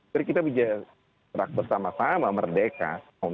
jadi kita bisa bergerak bersama sama merdeka tahun empat puluh lima